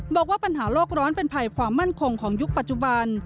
บอกว่าปัญหาโลกร้อนเป็นภัยความมั่นคงของยุคปัจจุบัน